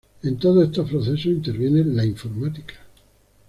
En todos estos procesos interviene la informática.